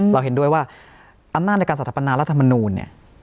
เราเห็นด้วยว่าอันนั้นในการสรรพนารัฐมนูญเนี่ย